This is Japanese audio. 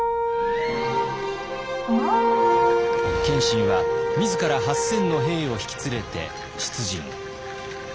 謙信は自ら８，０００の兵を引き連れて出陣。